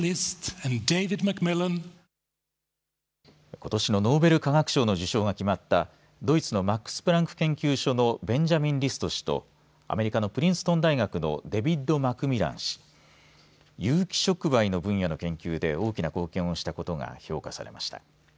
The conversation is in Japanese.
ことしのノーベル化学賞の受賞が決まったドイツのマックス・プランク研究所のベンジャミン・リスト氏とアメリカのプリンストン大学のデビット・マクミラン氏有機触媒の分野の研究で大きな貢献をしたことが評価されました。